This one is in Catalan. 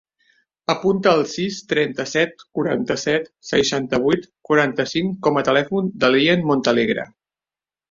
Apunta el sis, trenta-set, quaranta-set, seixanta-vuit, quaranta-cinc com a telèfon de l'Ian Montealegre.